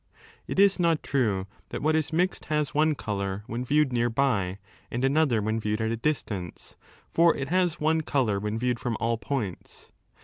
It is not true that what is mixed has one colour when viewed near by, and another when viewed at a distance, for it has one colour when viewed from all points.